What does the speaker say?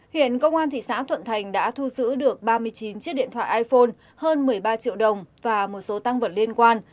hiện công an thị xã thuận thành đã thu giữ được ba mươi chín chiếc điện thoại iphone hơn một mươi ba triệu đồng và một số tăng vật liên quan